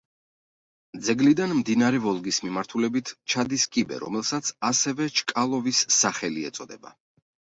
ძეგლიდან მდინარე ვოლგის მიმართულებით ჩადის კიბე, რომელსაც ასევე ჩკალოვის სახელი ეწოდება.